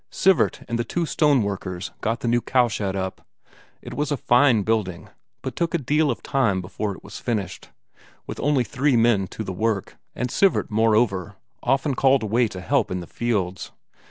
Sivert and the two stoneworkers got the new cowshed up. It was a fine building, but took a deal of time before it was finished, with only three men to the work, and Sivert, moreover, often called away to help in the fields.